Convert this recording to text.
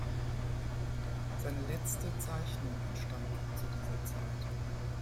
Seine letzte Zeichnung entstand zu dieser Zeit.